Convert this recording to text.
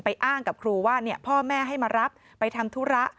อ้างกับครูว่าพ่อแม่ให้มารับไปทำธุระ